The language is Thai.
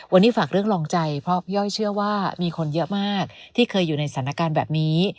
วันนี้ฝากเรื่องรองใจเพราะพี่ย่อยเชื่อว่ามีคนเยอะมากที่เคยอยู่ในสถานการณ์แบบนี้